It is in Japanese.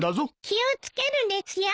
気を付けるですよ。